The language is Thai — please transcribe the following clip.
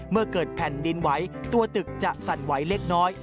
เมื่อเกิดแผ่นดินไหวตัวตึกจะสั่นไหวเล็กน้อย